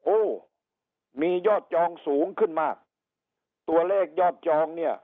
โอ้มียอดจองสูงขึ้นมากตัวเลขยอดจองเนี่ย